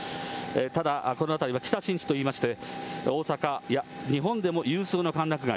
ただ、この辺りは北新地といいまして、大阪、いや、日本でも有数の歓楽街。